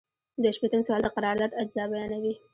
دوه شپیتم سوال د قرارداد اجزا بیانوي.